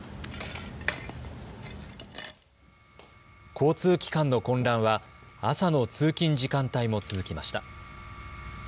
交通機関の混乱は朝の通勤時間帯も続きました。